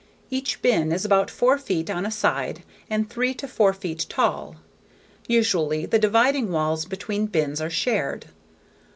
Each bin is about four feet on a side and three to four feet tall. Usually, the dividing walls between bins are shared.